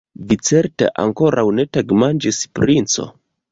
Vi certe ankoraŭ ne tagmanĝis, princo?